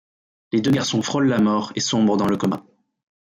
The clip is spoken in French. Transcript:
Les deux garçons frôlent la mort et sombrent dans le coma.